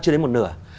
chưa đến một nửa